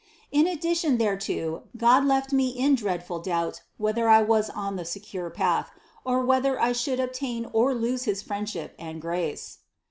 In addition thereto God left me in dreadful doubt whether I was on the secure path or whether I should obtain or lose his friendship and grace.